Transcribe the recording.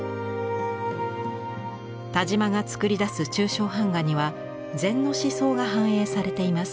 田嶋が作り出す抽象版画には禅の思想が反映されています。